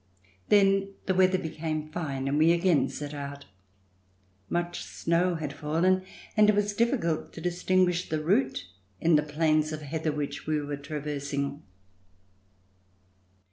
Then the weather became fine and we again set out. Much snow had fallen and it was difficult to distinguish the route in the plains of heather which we were traversing.